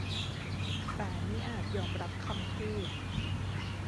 แต่มิอาจยอมรับคำพูด